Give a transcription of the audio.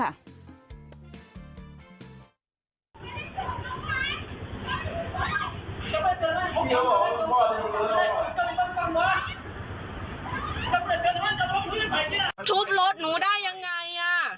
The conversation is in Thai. ทำไมจะบอบเพื่อนใหม่ทุบรถหนูได้ยังไง